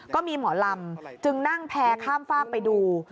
ก็มีหมอลำจึงนั่งแพร่ข้ามฝากไปดู